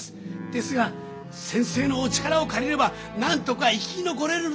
ですが先生のお力を借りればなんとか生き残れるのです！